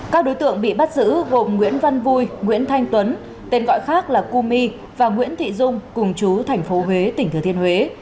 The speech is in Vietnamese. các đối tượng bị bắt giữ gồm nguyễn văn vui nguyễn thanh tuấn tên gọi khác là cumi và nguyễn thị dung cùng chú thành phố huế tỉnh thừa thiên huế